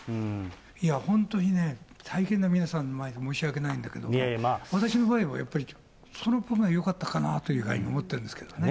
いや本当にね、大変な皆さんの前で申し訳ないんだけど、私の場合はやっぱり、その分がよかったかなと思ったんですけどね。